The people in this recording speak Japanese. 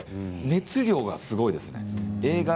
熱量がすごいですね。